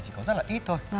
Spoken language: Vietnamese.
chỉ có rất là ít thôi